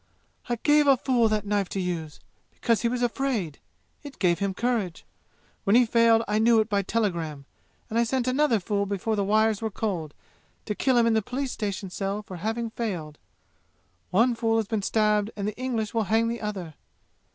"I gave a fool that knife to use, because he was afraid. It gave him courage. When he failed I knew it by telegram, and I sent another fool before the wires were cold, to kill him in the police station cell for having failed. One fool has been stabbed and the English will hang the other.